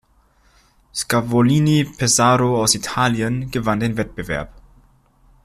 Scavolini Pesaro aus Italien gewann den Wettbewerb.